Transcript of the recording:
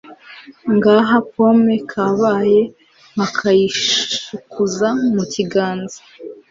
ngaha pome Kabaye nkakayishikuza mu kiganza